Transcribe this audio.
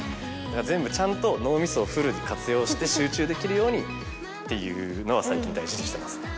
全部ちゃんと脳みそをフルに活用して集中できるようにっていうのは最近大事にしてますね。